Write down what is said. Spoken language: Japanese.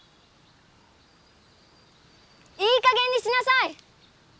いいかげんにしなさい！